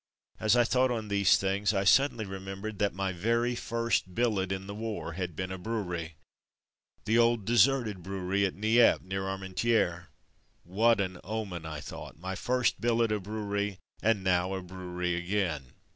As I thought on these things I sud denly remembered that my very first billet in the war had been a brewery; the old deserted brewery at Nieppe, near Armentieres. "What an omen!'' I thought; "my first billet a brewery, and now a brewery again.